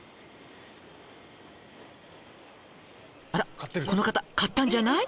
「あらこの方買ったんじゃない？」